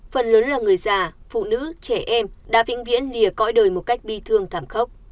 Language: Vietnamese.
phần lớn là người già phụ nữ trẻ em đã vĩnh viễn lìa cõi đời một cách bi thương thảm khốc